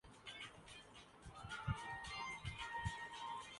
Chairman Mao کی تو بات ہی اور تھی۔